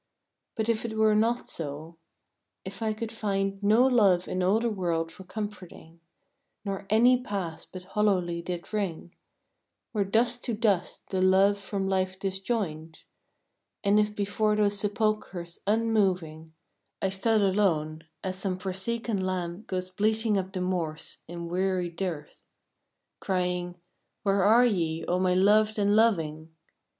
But if it were not so, — if I could find No love in all the world for comforting, Nor any path but hollowly did ring, Where "dust to dust"the love from life disjoined And if before those sepulchres unmoving I stood alone (as some forsaken lamb Goes bleating up the moors in weary dearth), Crying, " Where are ye, O my loved and loving?"